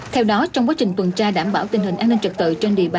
theo đó trong quá trình tuần tra đảm bảo tình hình an ninh trật tự trên địa bàn